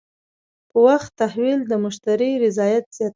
په وخت تحویل د مشتری رضایت زیاتوي.